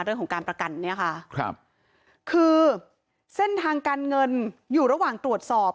เรื่องของการประกันคือเส้นทางการเงินอยู่ระหว่างตรวจสอบ